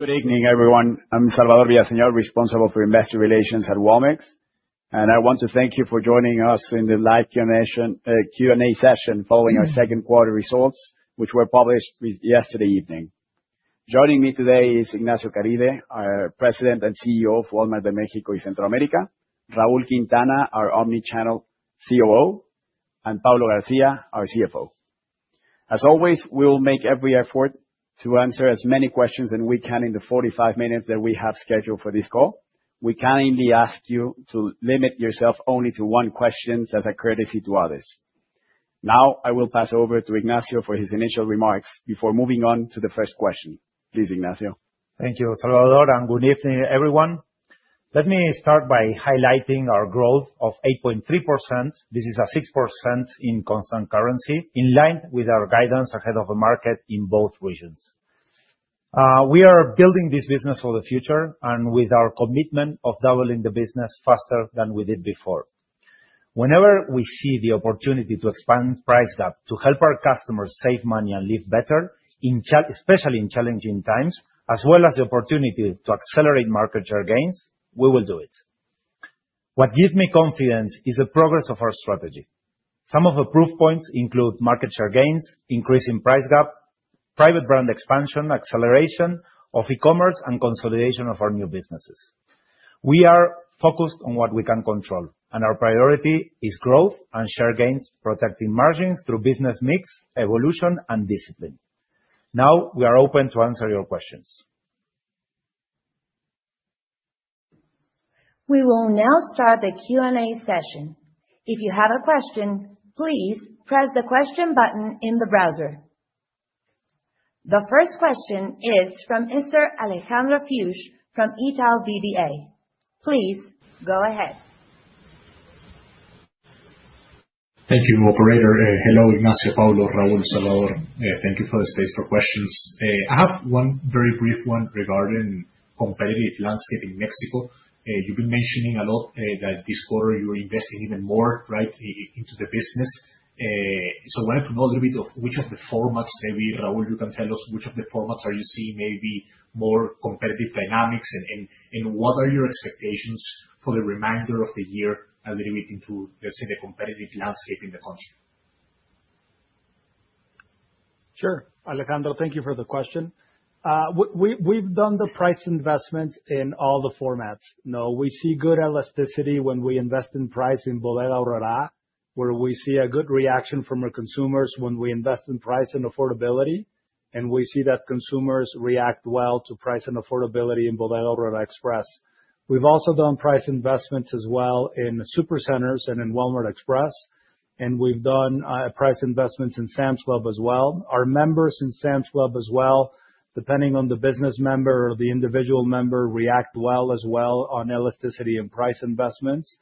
Good evening, everyone. I'm Salvador Villaseñor, responsible for investor relations at Walmart, and I want to thank you for joining us in the live Q&A session following our second quarter results, which were published yesterday evening. Joining me today is Ignacio Caride, our President and CEO of Walmart de México y Centroamérica, Raúl Quintana, our Omnichannel COO, and Paulo Garcia, our CFO. As always, we will make every effort to answer as many questions as we can in the 45 minutes that we have scheduled for this call. We kindly ask you to limit yourself only to one question as a courtesy to others. Now, I will pass over to Ignacio for his initial remarks before moving on to the first question. Please, Ignacio. Thank you, Salvador, and good evening, everyone. Let me start by highlighting our growth of 8.3%. This is a 6% in constant currency, in line with our guidance ahead of the market in both regions. We are building this business for the future and with our commitment of doubling the business faster than we did before. Whenever we see the opportunity to expand price gap to help our customers save money and live better, especially in challenging times, as well as the opportunity to accelerate market share gains, we will do it. What gives me confidence is the progress of our strategy. Some of the proof points include market share gains, increasing price gap, private brand expansion, acceleration of e-commerce, and consolidation of our new businesses. We are focused on what we can control, and our priority is growth and share gains, protecting margins through business mix, evolution, and discipline. Now, we are open to answer your questions. We will now start the Q&A session. If you have a question, please press the question button in the browser. The first question is from Mr. Alejandro Fuchs from Itaú BBA. Please go ahead. Thank you, Operator. Hello, Ignacio, Paulo, Raúl, Salvador. Thank you for the space for questions. I have one very brief one regarding competitive landscape in Mexico. You've been mentioning a lot that this quarter you're investing even more into the business. So I wanted to know a little bit of which of the formats maybe, Raúl, you can tell us which of the formats are you seeing maybe more competitive dynamics, and what are your expectations for the remainder of the year, a little bit into, let's say, the competitive landscape in the country? Sure. Alejandro, thank you for the question. We've done the price investments in all the formats. We see good elasticity when we invest in price in Bodega Aurrerá, where we see a good reaction from our consumers when we invest in price and affordability. And we see that consumers react well to price and affordability in Bodega Aurrerá Express. We've also done price investments as well in Supercenters and in Walmart Express. And we've done price investments in Sam's Club as well. Our members in Sam's Club as well, depending on the business member or the individual member, react well as well on elasticity and price investments.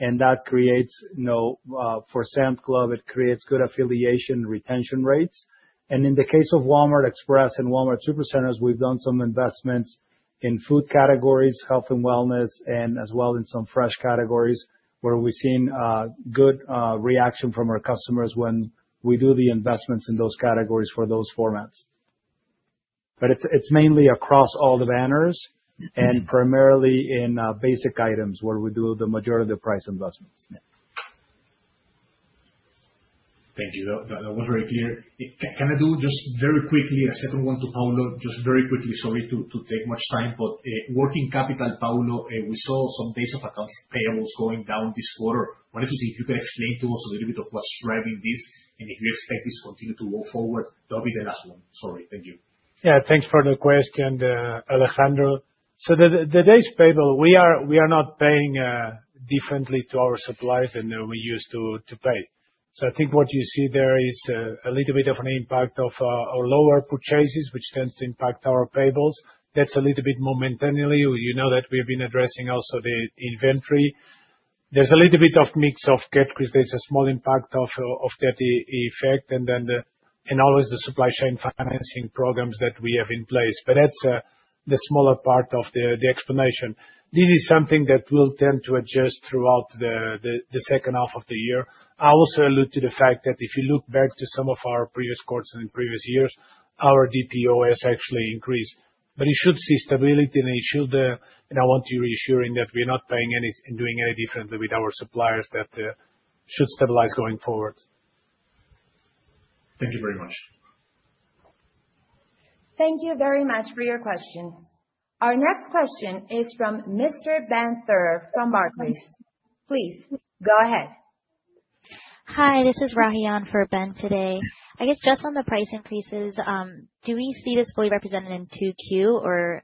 And that creates, for Sam's Club, it creates good affiliation retention rates. And in the case of Walmart Express and Walmart Supercenters, we've done some investments in food categories, health and wellness, and as well in some fresh categories, where we've seen good reaction from our customers when we do the investments in those categories for those formats. But it's mainly across all the banners and primarily in basic items, where we do the majority of the price investments. Thank you. That was very clear. Can I do just very quickly a second one to Paulo, just very quickly, sorry to take much time, but working capital, Paulo, we saw some days of accounts payables going down this quarter. I wanted to see if you could explain to us a little bit of what's driving this and if you expect this to continue to go forward. That would be the last one. Sorry. Thank you. Yeah, thanks for the question, Alejandro. So the days payable, we are not paying differently to our suppliers than we used to pay. So I think what you see there is a little bit of an impact of lower purchases, which tends to impact our payables. That's a little bit momentarily. You know that we have been addressing also the inventory. There's a little bit of mix of debt because there's a small impact of debt effect, and then always the supply chain financing programs that we have in place. But that's the smaller part of the explanation. This is something that will tend to adjust throughout the second half of the year. I also allude to the fact that if you look back to some of our previous quarters and previous years, our DPO has actually increased. But you should see stability, and I want to reassure you that we're not paying anything, doing any differently with our suppliers that should stabilize going forward. Thank you very much. Thank you very much for your question. Our next question is from Mr. Ben Theurer from Barclays. Please go ahead. Hi, this is Rahian for Ben today. I guess just on the price increases, do we see this fully represented in 2Q, or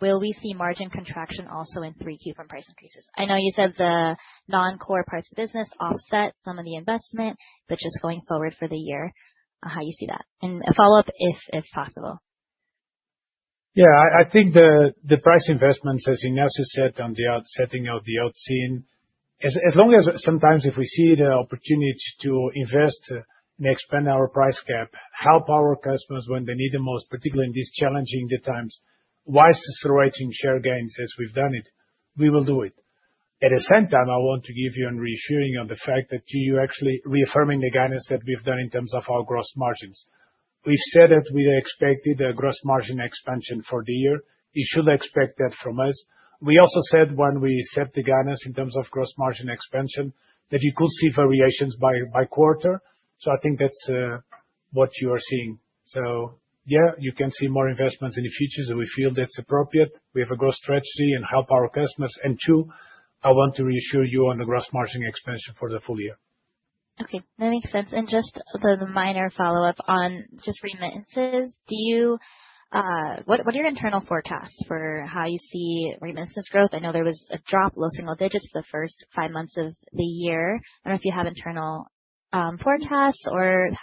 will we see margin contraction also in 3Q from price increases? I know you said the non-core parts of business offset some of the investment, but just going forward for the year, how you see that? And a follow-up if possible. Yeah, I think the price investments, as Ignacio said, on the setting of the outlook, as long as sometimes if we see the opportunity to invest and expand our price gap, help our customers when they need the most, particularly in these challenging times, while accelerating share gains as we've done it, we will do it. At the same time, I want to give you a reassurance on the fact that we actually reaffirm the guidance that we've given in terms of our gross margins. We've said that we expected a gross margin expansion for the year. You should expect that from us. We also said when we set the guidance in terms of gross margin expansion that you could see variations by quarter. So I think that's what you are seeing. So yeah, you can see more investments in the future. So we feel that's appropriate. We have a growth strategy to help our customers. And two, I want to reassure you on the gross margin expansion for the full year. Okay. That makes sense. And just the minor follow-up on just remittances. What are your internal forecasts for how you see remittances growth? I know there was a drop, low single digits for the first five months of the year. I don't know if you have internal forecasts or maybe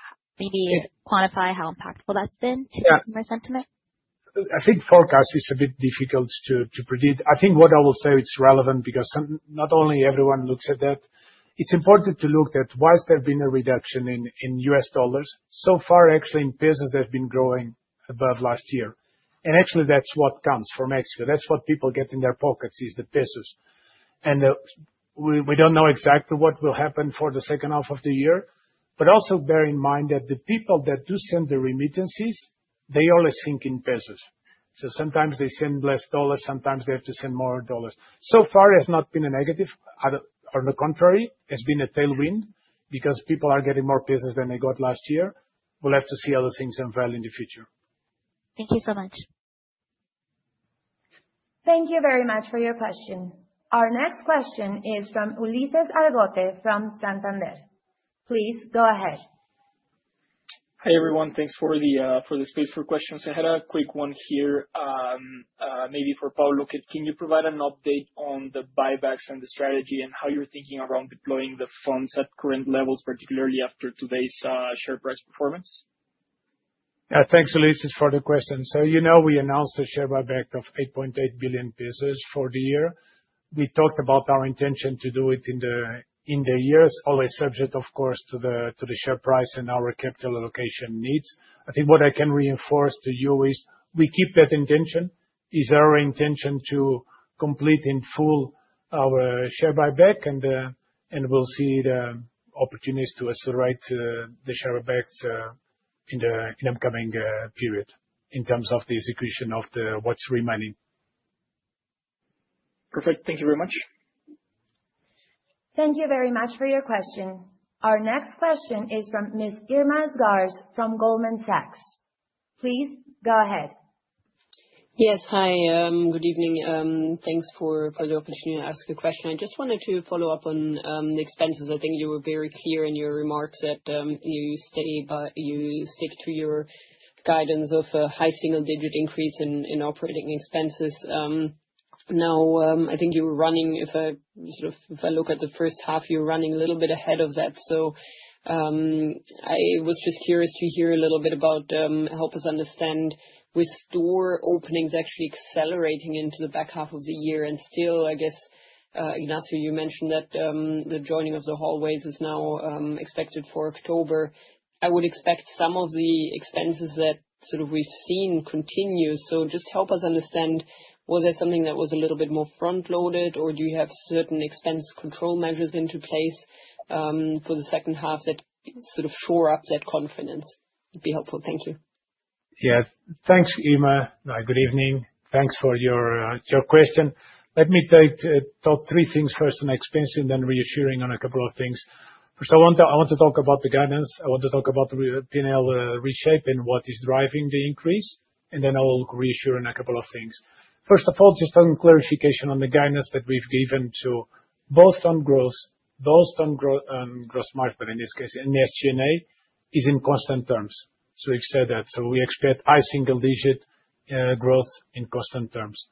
quantify how impactful that's been to customer sentiment. I think forecast is a bit difficult to predict. I think what I will say is relevant because not only everyone looks at that. It's important to look at why has there been a reduction in U.S. dollars, so far, actually, in pesos, they've been growing above last year, and actually, that's what comes from Mexico. That's what people get in their pockets is the pesos. We don't know exactly what will happen for the second half of the year, but also bear in mind that the people that do send the remittances, they always think in pesos, so sometimes they send less dollars, sometimes they have to send more dollars, so far, it has not been a negative. On the contrary, it has been a tailwind because people are getting more pesos than they got last year. We'll have to see other things unfold in the future. Thank you so much. Thank you very much for your question. Our next question is from Ulises Argote from Santander. Please go ahead. Hi everyone. Thanks for the space for questions. I had a quick one here. Maybe for Paulo. Can you provide an update on the buybacks and the strategy and how you're thinking around deploying the funds at current levels, particularly after today's share price performance? Yeah, thanks, Ulises, for the question. So you know we announced a share buyback of 8.8 billion pesos for the year. We talked about our intention to do it in the year, always subject, of course, to the share price and our capital allocation needs. I think what I can reinforce to you is we keep that intention. It's our intention to complete in full our share buyback, and we'll see the opportunities to accelerate the share buybacks in the upcoming period in terms of the execution of what's remaining. Perfect. Thank you very much. Thank you very much for your question. Our next question is from Ms. Irma Sgarz from Goldman Sachs. Please go ahead. Yes, hi. Good evening. Thanks for the opportunity to ask a question. I just wanted to follow up on the expenses. I think you were very clear in your remarks that you stick to your guidance of a high single-digit increase in operating expenses. Now, I think you were running, if I look at the first half, you were running a little bit ahead of that. So. I was just curious to hear a little bit about help us understand. With store openings actually accelerating into the back half of the year, and still, I guess, Ignacio, you mentioned that the joining of the hallways is now expected for October. I would expect some of the expenses that we've seen continue. So just help us understand, was there something that was a little bit more front-loaded, or do you have certain expense control measures into place. For the second half that sort of shore up that confidence? It'd be helpful. Thank you. Yeah. Thanks, Irma. Good evening. Thanks for your question. Let me take top three things first on expense and then reassuring on a couple of things. First, I want to talk about the guidance. I want to talk about the P&L reshape and what is driving the increase, and then I'll reassure on a couple of things. First of all, just a clarification on the guidance that we've given both on growth, both on gross margin, but in this case, in the SG&A, is in constant terms. So we've said that. So we expect high single-digit growth in constant terms.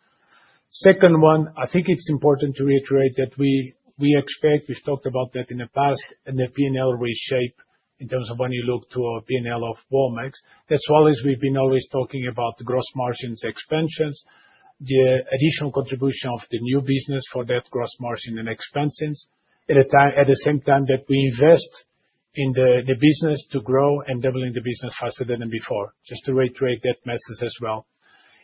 Second one, I think it's important to reiterate that we expect, we've talked about that in the past, and the P&L reshape in terms of when you look to our P&L of Walmart. That's always we've been always talking about the gross margins expansions, the additional contribution of the new business for that gross margin and expenses, at the same time that we invest in the business to grow and doubling the business faster than before. Just to reiterate that message as well.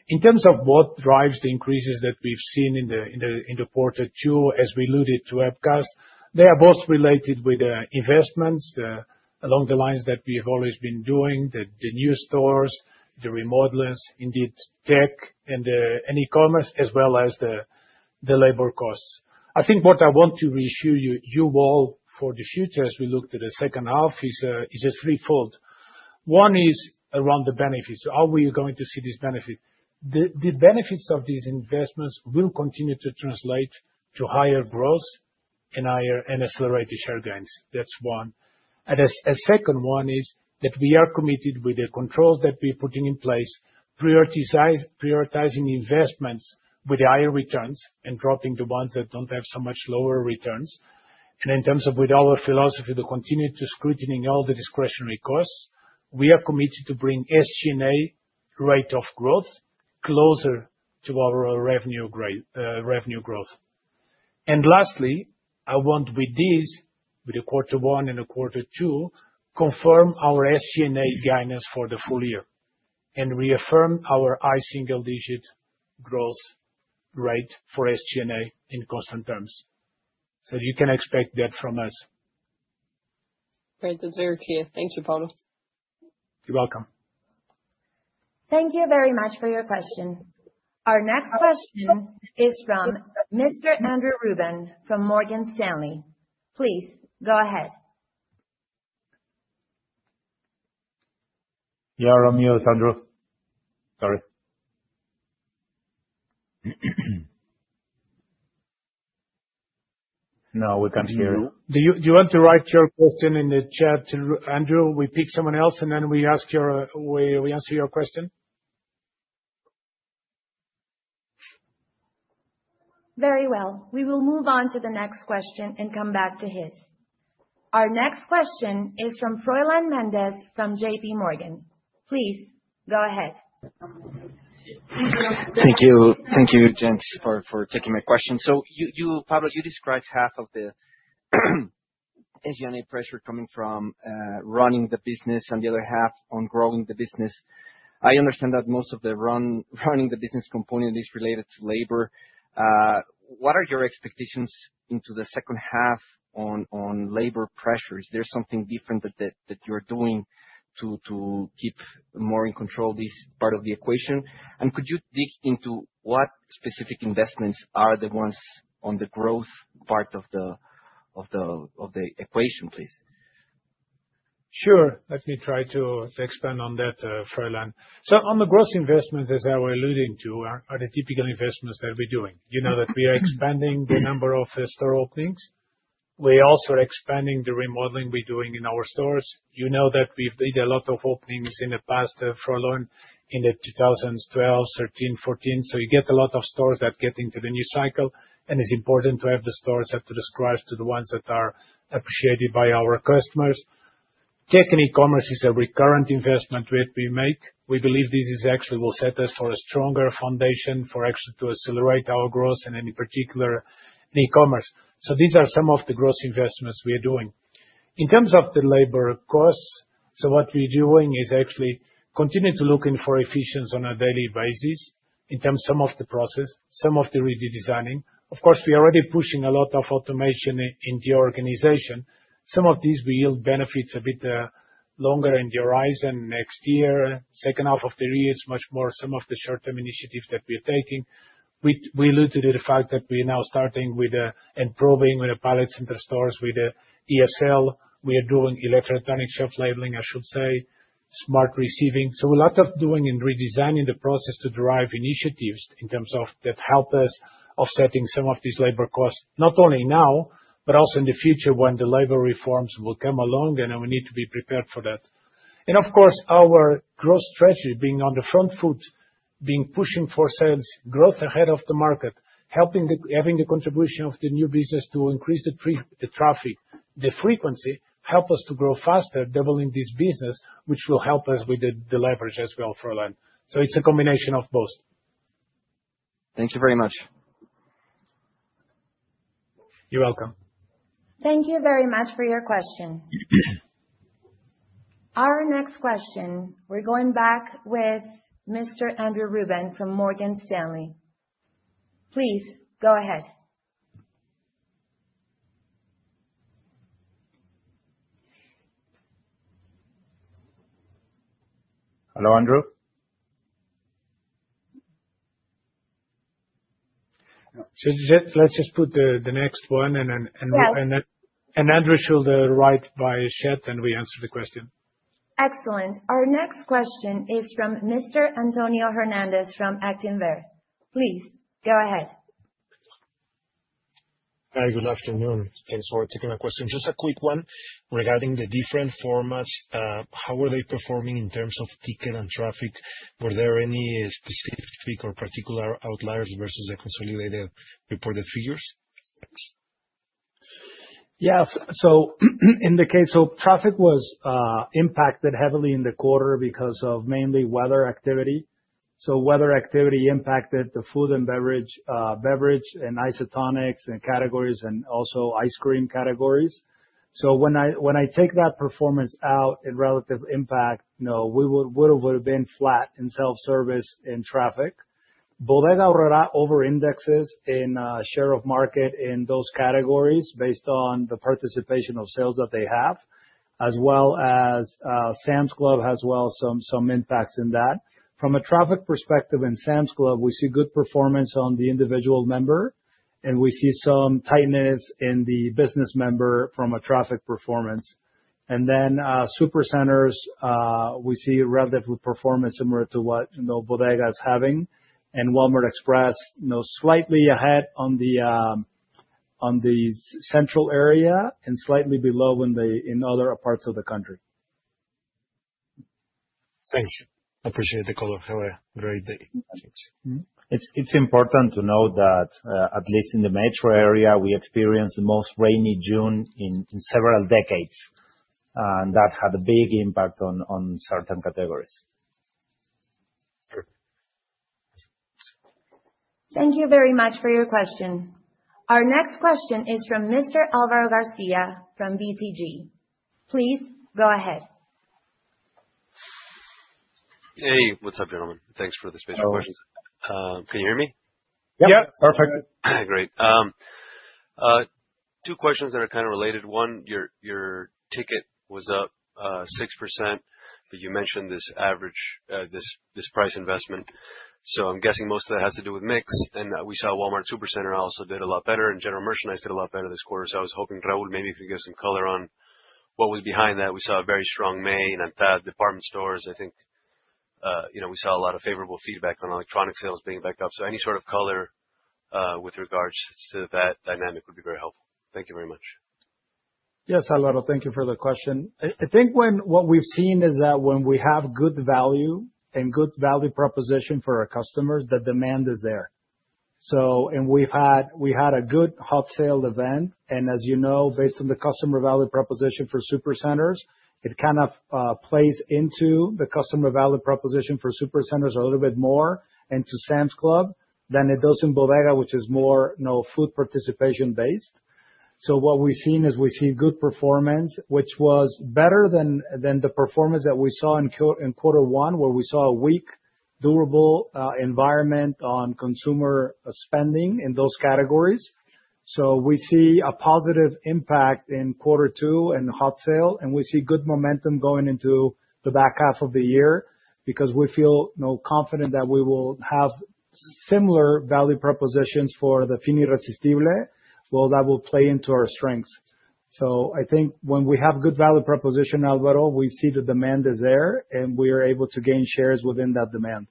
In terms of what drives the increases that we've seen in the quarter two, as we alluded to, as such, they are both related with investments along the lines that we have always been doing, the new stores, the remodelers, in the tech, and e-commerce, as well as the labor costs. I think what I want to reassure you all for the future as we look to the second half is threefold. One is around the benefits. How are we going to see these benefits? The benefits of these investments will continue to translate to higher growth and accelerated share gains. That's one. And a second one is that we are committed with the controls that we're putting in place, prioritizing investments with the higher returns and dropping the ones that don't have so much lower returns. And in terms of with our philosophy to continue to scrutinize all the discretionary costs, we are committed to bring SG&A rate of growth closer to our revenue growth. And lastly, I want with this, with the quarter one and the quarter two, confirm our SG&A guidance for the full year and reaffirm our high single-digit growth rate for SG&A in constant terms. So you can expect that from us. Great. That's very clear. Thank you, Paulo. You're welcome. Thank you very much for your question. Our next question is from Mr. Andrew Rubin from Morgan Stanley. Please go ahead. You're on mute, Andrew. Sorry. No, we can't hear you. Do you want to write your question in the chat, Andrew? We pick someone else and then we ask your we answer your question. Very well. We will move on to the next question and come back to his. Our next question is from Froylan Mendez from JP Morgan. Please go ahead. Thank you, thank you, gents, for taking my question. So you, Paulo, you described half of the SG&A pressure coming from running the business and the other half on growing the business. I understand that most of the running the business component is related to labor. What are your expectations into the second half on labor pressure? Is there something different that you're doing to keep more in control this part of the equation? And could you dig into what specific investments are the ones on the growth part of the equation, please? Sure. Let me try to expand on that, Froylan. So on the gross investments, as I was alluding to, are the typical investments that we're doing. You know that we are expanding the number of store openings. We're also expanding the remodeling we're doing in our stores. You know that we've did a lot of openings in the past back in the 2012, 2013, 2014. So you get a lot of stores that get into the new cycle. And it's important to have the stores up to scratch to the ones that are appreciated by our customers. Tech and e-commerce is a recurrent investment that we make. We believe this is actually will set us for a stronger foundation for actually to accelerate our growth and in particular e-commerce. So these are some of the gross investments we are doing. In terms of the labor costs, what we're doing is actually continue to look into efficiency on a daily basis in terms of some of the process, some of the redesigning. Of course, we are already pushing a lot of automation in the organization. Some of these will yield benefits a bit longer in the horizon next year, second half of the year. It's much more some of the short-term initiatives that we're taking. We alluded to the fact that we're now starting with and piloting in the central stores with ESL. We are doing electronic shelf labeling, I should say, smart receiving. So a lot of doing and redesigning the process to drive initiatives in terms of that help us offsetting some of these labor costs, not only now, but also in the future when the labor reforms will come along and we need to be prepared for that. And of course, our growth strategy being on the front foot, being pushing for sales, growth ahead of the market, having the contribution of the new business to increase the traffic, the frequency, help us to grow faster, doubling this business, which will help us with the leverage as well, Froylan. So it's a combination of both. Thank you very much. You're welcome. Thank you very much for your question. Our next question, we're going back with Mr. Andrew Rubin from Morgan Stanley. Please go ahead. Hello, Andrew. Let's just put the next one and. Yeah. Andrew should write by chat and we answer the question. Excellent. Our next question is from Mr. Antonio Hernández from Actinver. Please go ahead. Hi, good afternoon. Thanks for taking my question. Just a quick one regarding the different formats. How are they performing in terms of ticket and traffic? Were there any specific or particular outliers versus the consolidated reported figures? Yes. So in the case, so traffic was impacted heavily in the quarter because of mainly weather activity. So weather activity impacted the food and beverage and isotonics and categories and also ice cream categories. So when I take that performance out in relative impact, no, we would have been flat in self-service and traffic. Bodega Aurrerá over-indexes in share of market in those categories based on the participation of sales that they have, as well as. Sam's Club, as well as some impacts in that. From a traffic perspective in Sam's Club, we see good performance on the individual member, and we see some tightness in the business member from a traffic performance. And then Supercenters, we see relative performance similar to what Bodega is having. And Walmart Express, slightly ahead on the central area and slightly below in other parts of the country. Thanks. Appreciate the color. Have a great day. It's important to know that at least in the metro area, we experienced the most rainy June in several decades, and that had a big impact on certain categories. Thank you very much for your question. Our next question is from Mr. Alvaro Garcia from BTG. Please go ahead. Hey, what's up, gentlemen? Thanks for the special questions. Can you hear me? Yep. Perfect. Great. Two questions that are kind of related. One, your ticket was up 6%, but you mentioned this average. This price investment. So I'm guessing most of that has to do with mix. And we saw Walmart Supercenter also did a lot better, and General Merchandise did a lot better this quarter. So I was hoping Raúl maybe could give some color on what was behind that. We saw a very strong May in ANTAD department stores, I think. We saw a lot of favorable feedback on electronics sales being backed up. So any sort of color with regards to that dynamic would be very helpful. Thank you very much. Yes, Álvaro, thank you for the question. I think what we've seen is that when we have good value and good value proposition for our customers, the demand is there. And we had a good Hot Sale event. And as you know, based on the customer value proposition for Supercenters, it kind of plays into the customer value proposition for Supercenters a little bit more and to Sam's Club than it does in Bodega, which is more food participation-based. So what we've seen is we see good performance, which was better than the performance that we saw in quarter one, where we saw a weak, durable environment on consumer spending in those categories. So we see a positive impact in quarter two and Hot Sale, and we see good momentum going into the back half of the year because we feel confident that we will have similar value propositions for the final irresistible, well, that will play into our strengths. So I think when we have good value proposition, Álvaro, we see the demand is there, and we are able to gain shares within that demand.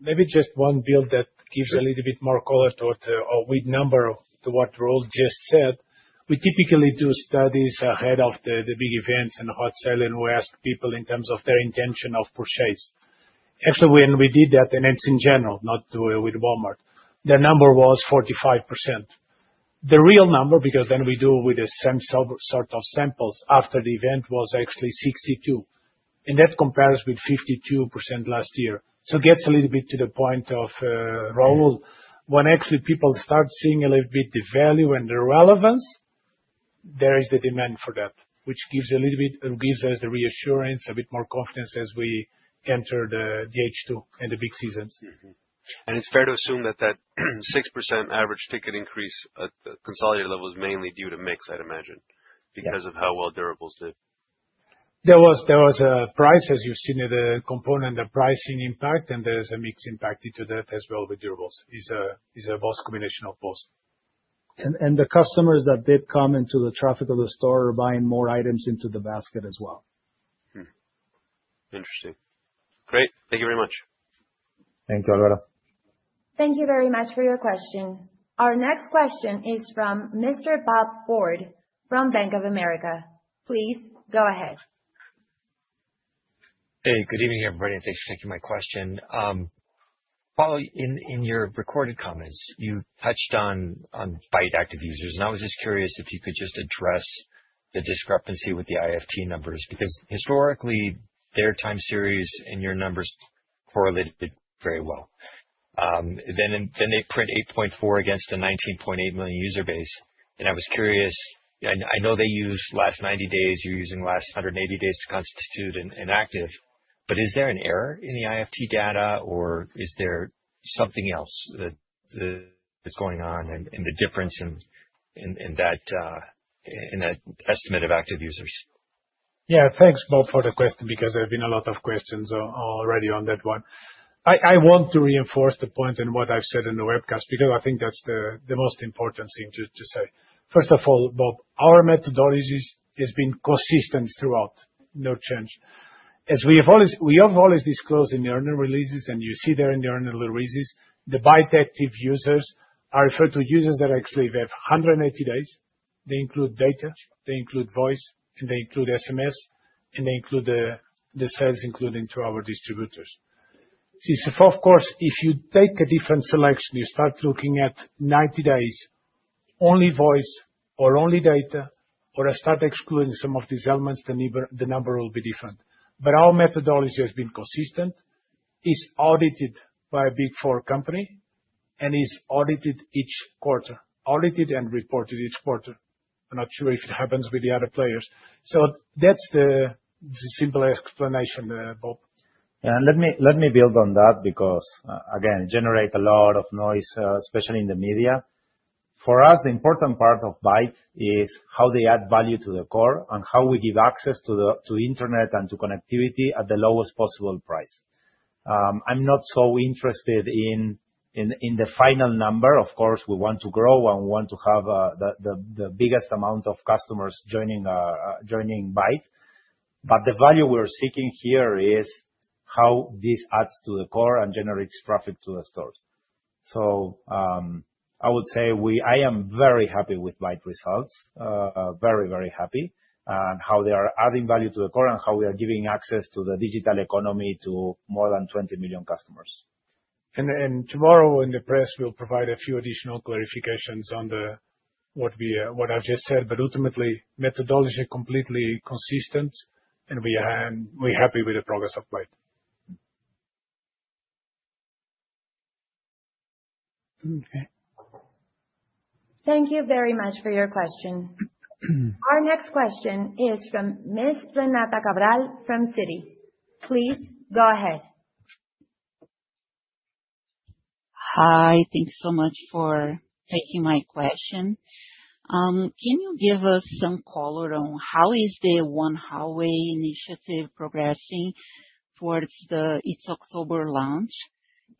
Maybe just one bullet that gives a little bit more color to what we need to what Raúl just said. We typically do studies ahead of the big events and Hot Sale, and we ask people in terms of their intention of purchase. Actually, when we did that, and it's in general, not with Walmart, the number was 45%. The real number, because then we do with the same sort of samples after the event, was actually 62%. And that compares with 52% last year. So it gets a little bit to the point. Raúl, when actually people start seeing a little bit the value and the relevance. There is the demand for that, which gives a little bit, gives us the reassurance, a bit more confidence as we enter the H2 and the big seasons. It's fair to assume that that 6% average ticket increase at the consolidated level is mainly due to mix, I'd imagine, because of how well durables did. There was a price, as you've seen in the component, the pricing impact, and there's a mix impacted to that as well with durables. It's a boss combination of both. The customers that did come into the traffic of the store are buying more items into the basket as well. Interesting. Great. Thank you very much. Thank you, Alvaro. Thank you very much for your question. Our next question is from Mr. Bob Ford from Bank of America. Please go ahead. Hey, good evening everybody, and thanks for taking my question. Paulo, in your recorded comments, you touched on Bait active users. And I was just curious if you could just address the discrepancy with the IFT numbers because historically, their time series and your numbers correlated very well. Then they print 8.4 against a 19.8 million user base. And I was curious, I know they use last 90 days, you're using last 180 days to constitute an active, but is there an error in the IFT data or is there something else that's going on and the difference in that estimate of active users? Yeah, thanks, Bob, for the question because there have been a lot of questions already on that one. I want to reinforce the point in what I've said in the webcast because I think that's the most important thing to say. First of all, Bob, our methodology has been consistent throughout, no change. As we have always disclosed in the earlier releases, and you see there in the earlier releases, the Bait active users are referred to users that actually have 180 days. They include data, they include voice, and they include SMS, and they include the sales included into our distributors. Of course, if you take a different selection, you start looking at 90 days, only voice or only data, or start excluding some of these elements, the number will be different. But our methodology has been consistent, is audited by a Big Four company, and is audited each quarter, audited and reported each quarter. I'm not sure if it happens with the other players. So that's the simple explanation, Bob. Yeah, let me build on that because, again, it generates a lot of noise, especially in the media. For us, the important part of Bait is how they add value to the core and how we give access to the internet and to connectivity at the lowest possible price. I'm not so interested in the final number. Of course, we want to grow and we want to have the biggest amount of customers joining Bait. But the value we are seeking here is how this adds to the core and generates traffic to the stores. So, I would say I am very happy with Bait results, very, very happy, and how they are adding value to the core and how we are giving access to the digital economy to more than 20 million customers. And tomorrow in the press, we'll provide a few additional clarifications on what I've just said, but ultimately, methodology completely consistent, and we're happy with the progress of Bait. Thank you very much for your question. Our next question is from Ms. Renata Cabral from Citi. Please go ahead. Hi, thank you so much for taking my question. Can you give us some color on how is the One Hallway initiative progressing towards its October launch?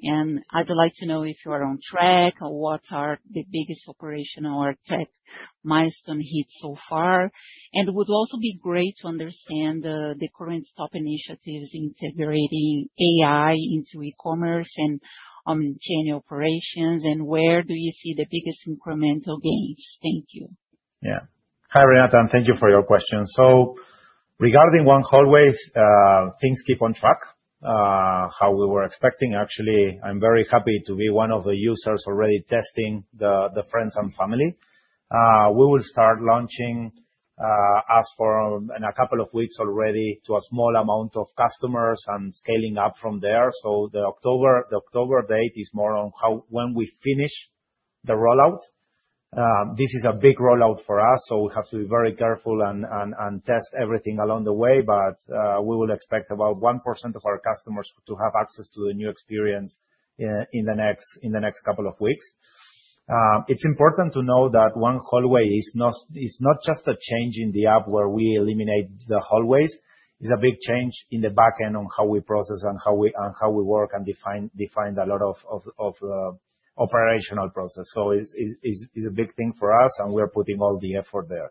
And I'd like to know if you are on track or what are the biggest operational or tech milestone hits so far. And it would also be great to understand the current top initiatives integrating AI into e-commerce and omnichannel operations, and where do you see the biggest incremental gains? Thank you. Yeah. Hi, Renata. Thank you for your question. So regarding One Hallway, things keep on track as we were expecting. Actually, I'm very happy to be one of the users already testing the friends and family. We've been launching for a couple of weeks already to a small amount of customers and scaling up from there. So the October date is more on when we finish the rollout. This is a big rollout for us, so we have to be very careful and test everything along the way, but we will expect about 1% of our customers to have access to the new experience in the next couple of weeks. It's important to know that One Hallway is not just a change in the app where we eliminate the hallways. It's a big change in the backend on how we process and how we work and define a lot of operational processes. So it's a big thing for us, and we are putting all the effort there.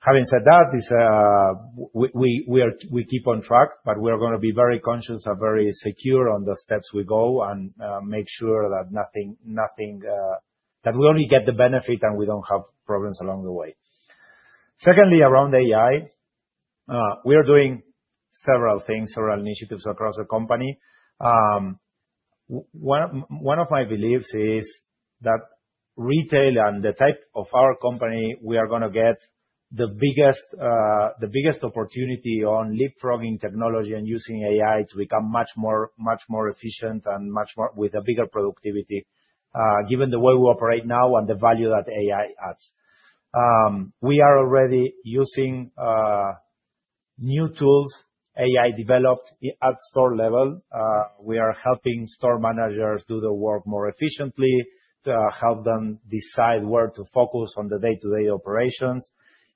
Having said that, we keep on track, but we are going to be very conscious and very secure on the steps we take and make sure that we only get the benefit and we don't have problems along the way. Secondly, around AI. We are doing several things, several initiatives across the company. One of my beliefs is that retail and the type of our company, we are going to get the biggest opportunity in leapfrogging technology and using AI to become much more efficient and with a bigger productivity, given the way we operate now and the value that AI adds. We are already using new tools, AI developed at store level. We are helping store managers do the work more efficiently, to help them decide where to focus on the day-to-day operations.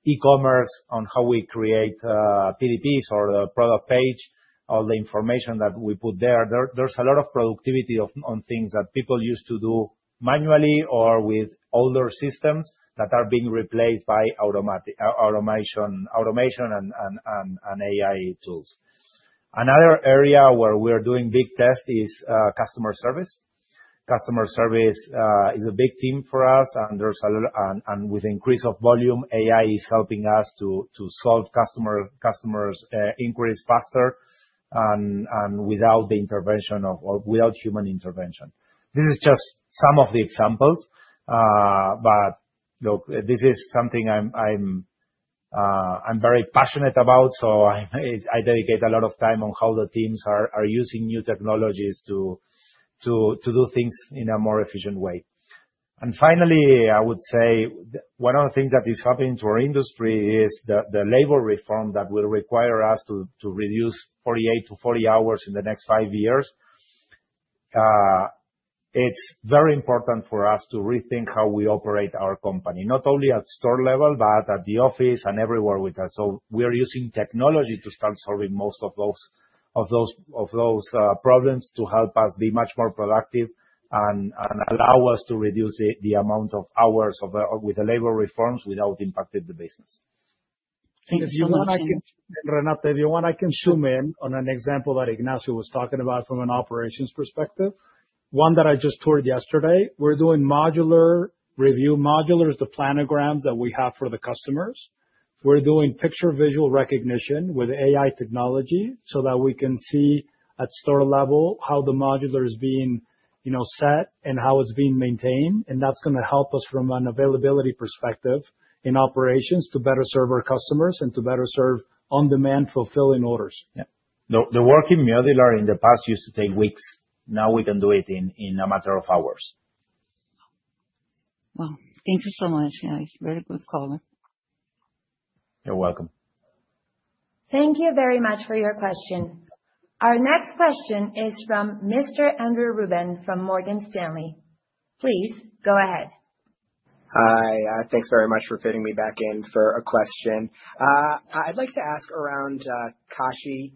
E-commerce, on how we create PDPs or the product page, all the information that we put there. There's a lot of productivity on things that people used to do manually or with older systems that are being replaced by automation and AI tools. Another area where we are doing big tests is customer service. Customer service is a big theme for us, and with the increase of volume, AI is helping us to solve customers' inquiries faster and without human intervention. This is just some of the examples. But this is something I'm very passionate about, so I dedicate a lot of time on how the teams are using new technologies to do things in a more efficient way. Finally, I would say one of the things that is happening to our industry is the labor reform that will require us to reduce 48 to 40 hours in the next five years. It's very important for us to rethink how we operate our company, not only at store level, but at the office and everywhere with us. So we are using technology to start solving most of those. Programs to help us be much more productive and allow us to reduce the amount of hours with the labor reforms without impacting the business. If you want, Renata, if you want, I can zoom in on an example that Ignacio was talking about from an operations perspective. One that I just toured yesterday, we're doing modular review, modulars to planograms that we have for the customers. We're doing picture visual recognition with AI technology so that we can see at store level how the modular is being set and how it's being maintained, and that's going to help us from an availability perspective in operations to better serve our customers and to better serve on-demand fulfilling orders. The work in Modular in the past used to take weeks. Now we can do it in a matter of hours. Thank you so much. It's a very good caller. You're welcome. Thank you very much for your question. Our next question is from Mr. Andrew Rubin from Morgan Stanley. Please go ahead. Hi, thanks very much for fitting me back in for a question. I'd like to ask about Cashi.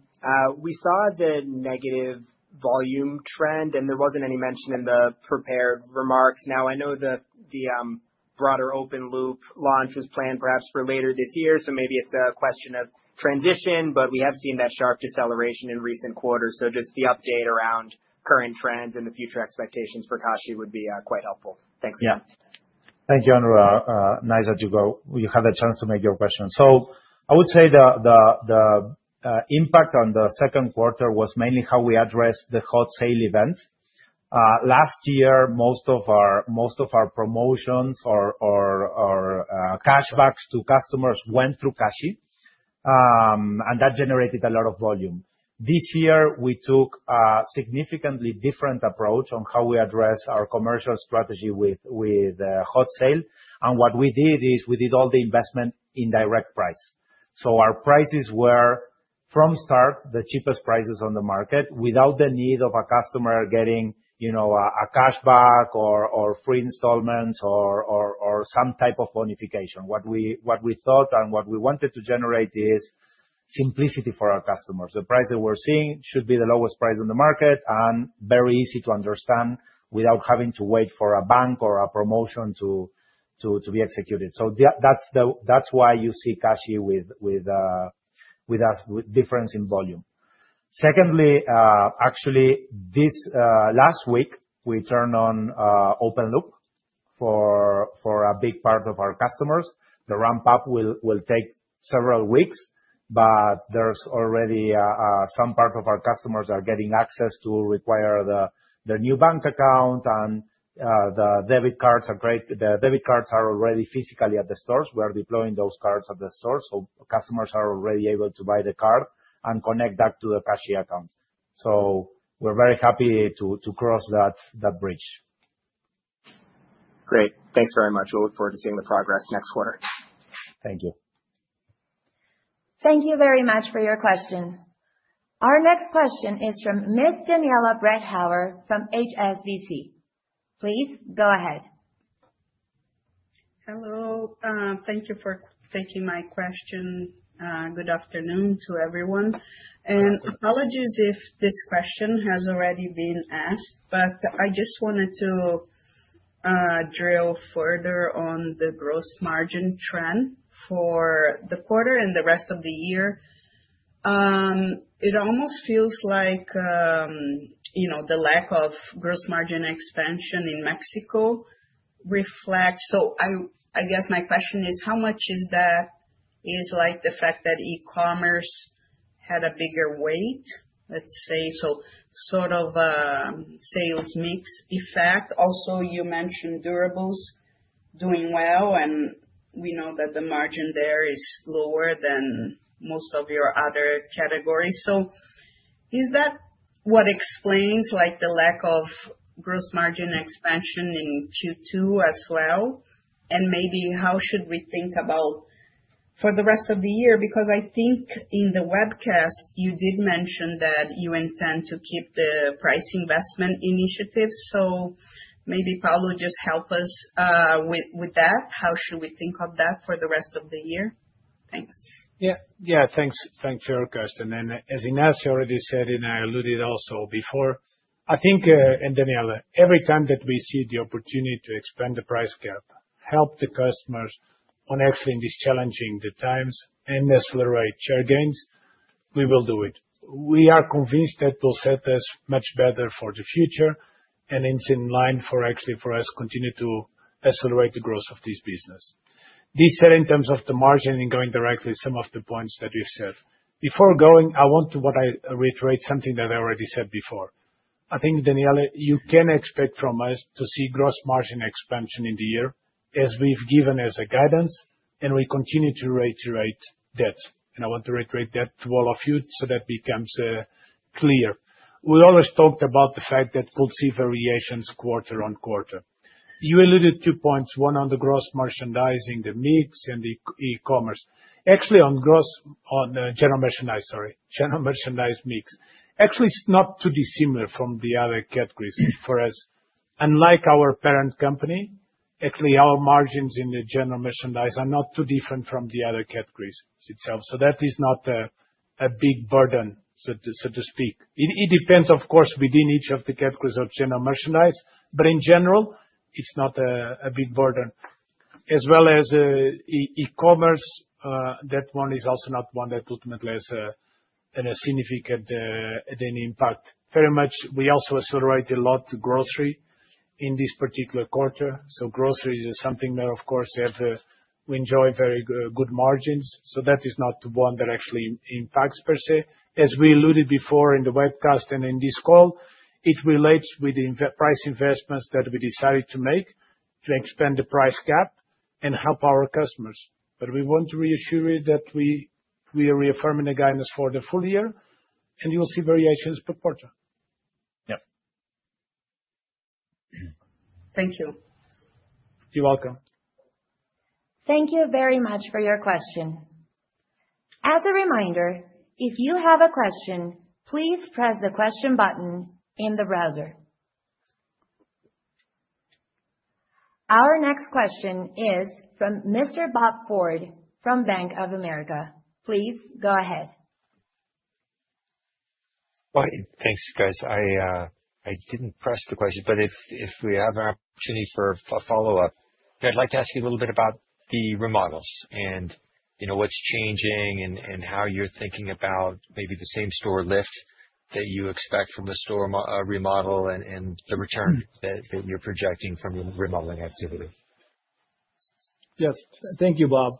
We saw the negative volume trend, and there wasn't any mention in the prepared remarks. Now, I know the broader open loop launch was planned perhaps for later this year, so maybe it's a question of transition, but we have seen that sharp deceleration in recent quarters, so just the update around current trends and the future expectations for Cashi would be quite helpful. Thanks again. Yeah. Thank you, Andrew. Nice that you have the chance to make your question, so I would say the impact on the second quarter was mainly how we addressed the Hot Sale event. Last year, most of our promotions or cashbacks to customers went through Cashi, and that generated a lot of volume. This year, we took a significantly different approach on how we address our commercial strategy with Hot Sale, and what we did is we did all the investment in direct price. So our prices were from start the cheapest prices on the market without the need of a customer getting a cashback or free installments or some type of bonification. What we thought and what we wanted to generate is simplicity for our customers. The price that we're seeing should be the lowest price on the market and very easy to understand without having to wait for a bank or a promotion to be executed. So that's why you see Cashi with a difference in volume. Secondly, actually, this last week, we turned on open loop for a big part of our customers. The ramp-up will take several weeks, but there's already some part of our customers that are getting access to require their new bank account and the debit cards. The debit cards are already physically at the stores. We are deploying those cards at the stores. So customers are already able to buy the card and connect back to the Cashi account. So we're very happy to cross that bridge. Great. Thanks very much. We'll look forward to seeing the progress next quarter. Thank you. Thank you very much for your question. Our next question is from Ms. Daniela Bretthauer from HSBC. Please go ahead. Hello. Thank you for taking my question. Good afternoon to everyone and apologies if this question has already been asked, but I just wanted to drill further on the gross margin trend for the quarter and the rest of the year. It almost feels like the lack of gross margin expansion in Mexico reflects. So I guess my question is, how much is that like the fact that e-commerce had a bigger weight, let's say, so sort of sales mix effect. Also, you mentioned durables doing well, and we know that the margin there is lower than most of your other categories. So is that what explains the lack of gross margin expansion in Q2 as well? And maybe how should we think about for the rest of the year? Because I think in the webcast, you did mention that you intend to keep the price investment initiative. So maybe Paulo just help us with that. How should we think of that for the rest of the year? Thanks. Yeah, yeah. Thanks for your question. As Ignacio already said, and I alluded also before, I think, and Daniela, every time that we see the opportunity to expand the price gap, help the customers on actually challenging the times and accelerate share gains, we will do it. We are convinced that will set us much better for the future, and it's in line for actually for us to continue to accelerate the growth of this business. This said, in terms of the margin and going directly, some of the points that we've said. Before going, I want to reiterate something that I already said before. I think, Daniela, you can expect from us to see gross margin expansion in the year as we've given as a guidance, and we continue to reiterate that. I want to reiterate that to all of you so that becomes clear. We always talked about the fact that we'll see variations quarter on quarter. You alluded to points, one on the gross merchandising, the mix, and the e-commerce. Actually, on. General merchandise, sorry, general merchandise mix. Actually, it's not too dissimilar from the other categories. For us, unlike our parent company, actually, our margins in the general merchandise are not too different from the other categories itself. So that is not a big burden, so to speak. It depends, of course, within each of the categories of general merchandise, but in general, it's not a big burden. As well as. E-commerce, that one is also not one that ultimately has a significant. Impact. Very much, we also accelerate a lot of grocery in this particular quarter. So grocery is something that, of course, we enjoy very good margins. So that is not one that actually impacts per se. As we alluded before in the webcast and in this call, it relates with the price investments that we decided to make to expand the price gap and help our customers. We want to reassure you that we are reaffirming the guidance for the full year, and you'll see variations per quarter. Yeah. Thank you. You're welcome. Thank you very much for your question. As a reminder, if you have a question, please press the question button in the browser. Our next question is from Mr. Bob Ford from Bank of America. Please go ahead. Thanks, guys. I didn't press the question, but if we have an opportunity for a follow-up, I'd like to ask you a little bit about the remodels and what's changing and how you're thinking about maybe the same store lift that you expect from a store remodel and the return that you're projecting from your remodeling activity. Yes. Thank you, Bob.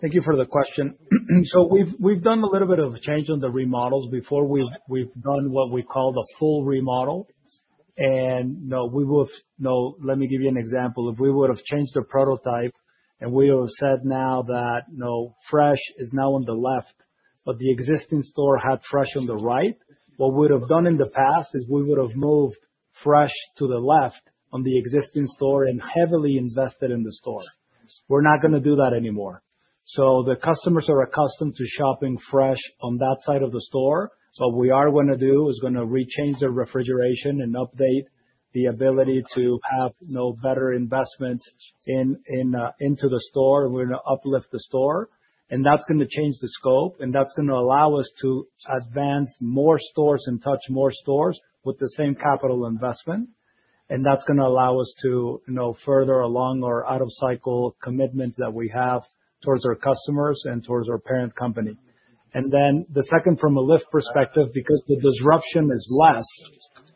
Thank you for the question. So we've done a little bit of a change on the remodels before we've done what we call the full remodel. Let me give you an example. If we would have changed the prototype and we have said now that fresh is now on the left, but the existing store had fresh on the right, what we would have done in the past is we would have moved fresh to the left on the existing store and heavily invested in the store. We're not going to do that anymore. So the customers are accustomed to shopping fresh on that side of the store. What we are going to do is going to rechange the refrigeration and update the ability to have better investments into the store. We're going to uplift the store, and that's going to change the scope, and that's going to allow us to advance more stores and touch more stores with the same capital investment, and that's going to allow us to further along our out-of-cycle commitments that we have towards our customers and towards our parent company. And then the second, from a lift perspective, because the disruption is less,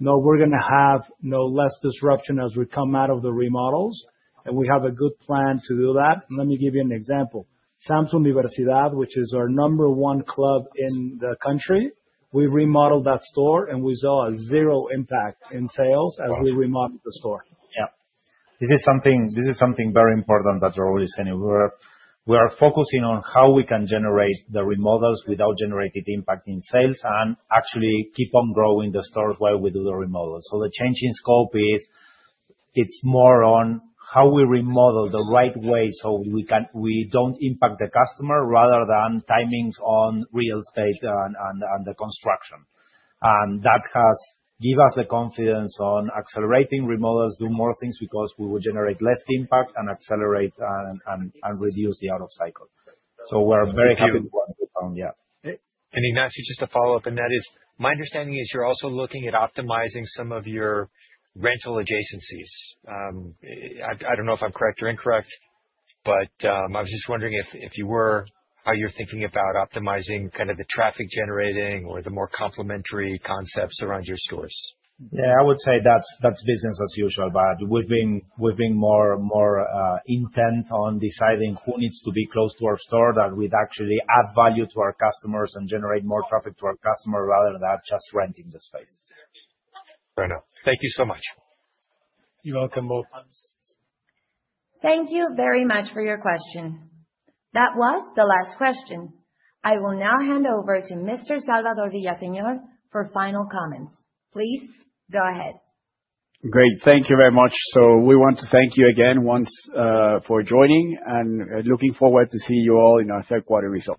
we're going to have less disruption as we come out of the remodels, and we have a good plan to do that. Let me give you an example. Sam's Universidad, which is our number one club in the country, we remodeled that store and we saw a zero impact in sales as we remodeled the store. Yeah. This is something very important that you're always saying. We are focusing on how we can generate the remodels without generating impact in sales and actually keep on growing the stores while we do the remodels. So the change in scope is. It's more on how we remodel the right way so we don't impact the customer rather than timings on real estate and the construction. And that has given us the confidence on accelerating remodels, doing more things because we will generate less impact and accelerate and reduce the out-of-cycle. So we're very happy with what we found. Yeah. And Ignacio, just to follow up, and that is my understanding: you're also looking at optimizing some of your rental adjacencies. I don't know if I'm correct or incorrect, but I was just wondering, if you were, how you're thinking about optimizing kind of the traffic generating or the more complementary concepts around your stores. Yeah, I would say that's business as usual, but we've been more intent on deciding who needs to be close to our store that we'd actually add value to our customers and generate more traffic to our customers rather than just renting the space. Fair enough. Thank you so much. You're welcome, both. Thank you very much for your question. That was the last question. I will now hand over to Mr. Salvador Villaseñor for final comments. Please go ahead. Great. Thank you very much. So we want to thank you again once for joining and looking forward to seeing you all in our third quarter result.